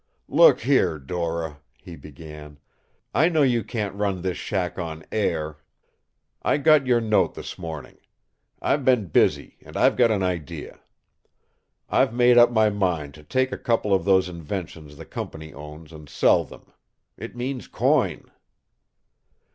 "Look here, Dora," he began; "I know you can't run this shack on air. I got your note this morning. I've been busy and I've got an idea. I've made up my mind to take a couple of those inventions the company owns and sell them. It means coin."